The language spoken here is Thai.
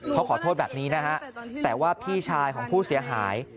เขาขอโทษแบบนี้นะฮะแต่ว่าพี่ชายของผู้เสียหาย